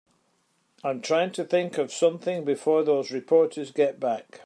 I'm trying to think of something before those reporters get back.